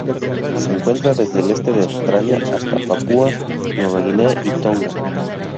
Se encuentra desde el este de Australia hasta Papúa Nueva Guinea y Tonga.